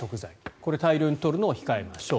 これを大量に取るのを控えましょう。